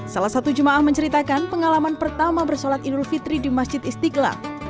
salah satu jemaah menceritakan pengalaman pertama bersolat idul fitri di masjid istiqlal